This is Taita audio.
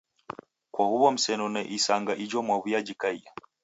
Kwa huw'o msenone isanga ijo mwaw'uyajikaia.